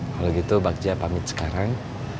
kalau gitu bagja pamit sekarang